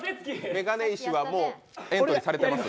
眼鏡石はもうエントリーされてます。